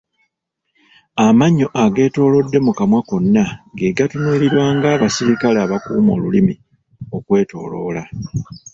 Amannyo ageetoolodde mu kamwa konna ge gatunuulirwa ng’abasirikale abakuuma olulimi okulwetooloola.